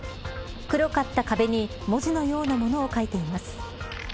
黒かった壁に文字のようなものを書いています。